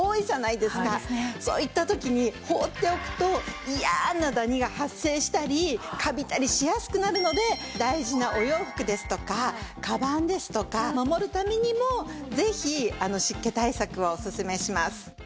そういった時に放っておくと嫌なダニが発生したりカビたりしやすくなるので大事なお洋服ですとかカバンですとか守るためにもぜひ湿気対策をおすすめします。